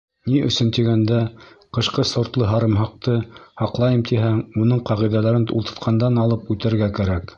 Ни өсөн тигәндә, ҡышҡы сортлы һарымһаҡты һаҡлайым тиһәң, уның ҡағиҙәләрен ултыртҡандан алып үтәргә кәрәк.